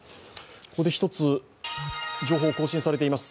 ここで１つ情報更新されています。